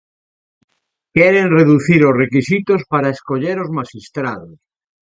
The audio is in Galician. Queren reducir os requisitos para escoller os maxistrados.